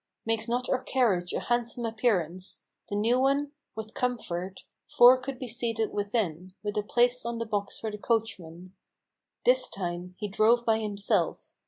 Makes not our carriage a handsome appearance, the new one? With comfort, Four could be seated within, with a place on the box for the coachman. This time, he drove by himself.